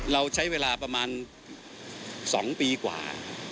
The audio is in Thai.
เราใช้เวลาประมาณ๒ปีกว่า